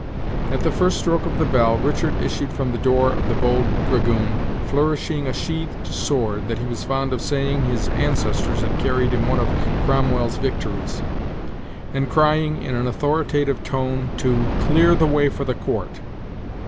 At the first stroke of the bell, Richard issued from the door of the "Bold Dragoon," flourishing a sheathed sword, that he was fond of saying his ancestors had carried in one of Cromwell's victories, and crying, in an authoritative tone, to "clear the way for the court."